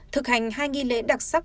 thực hành hai nghi lễ đặc sắc